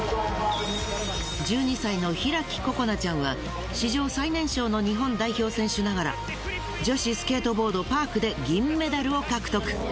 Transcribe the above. １２歳の開心那ちゃんは史上最年少の日本代表選手ながら女子スケートボードパークで銀メダルを獲得。